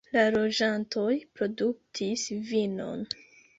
La loĝantoj produktis vinon.